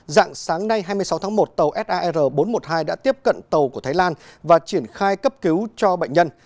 dạng sáng nay hai mươi sáu tháng một tàu sar bốn trăm một mươi hai đã tiếp cận tàu của thái lan và triển khai cấp cứu cho bệnh nhân